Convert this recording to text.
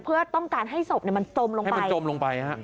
เพื่อต้องการให้ศพมันจมลงไปให้มันจมลงไป